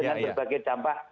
dengan berbagai dampak